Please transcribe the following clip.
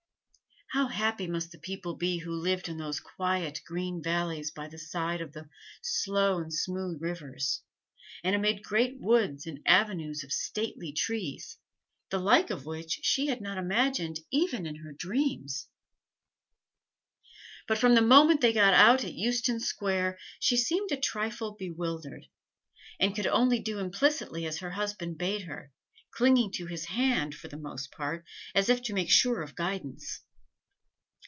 How happy must the people be who lived in those quiet green valleys by the side of slow and smooth rivers, and amid great woods and avenues of stately trees, the like of which she had not imagined even in her dreams! But from the moment that they got out at Euston Square she seemed a trifle bewildered, and could only do implicitly as her husband bade her clinging to his hand, for the most part, as if to make sure of guidance.